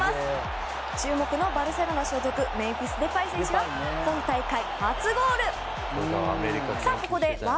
注目のバルセロナ所属メンフィス・デパイ選手が今大会初ゴール。